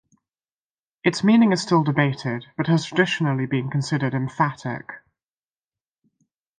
Its meaning is still debated, but has traditionally been considered emphatic.